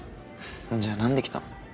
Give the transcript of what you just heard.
じゃあ何で来たの？